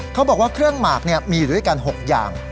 เขาบอกว่าเครื่องหมากมีอยู่ด้วยกัน๖อย่าง